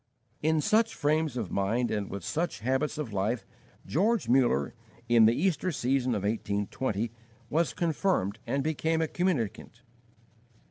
In such frames of mind and with such habits of life George Muller, in the Easter season of 1820, was confirmed and became a communicant.